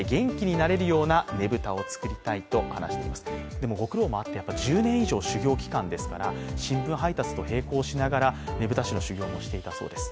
でも、ご苦労もあって、１０年以上、修業期間ですから新聞配達と並行しながらねぶた師の修業をしていたそうです。